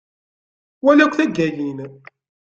Wali akk taggayin.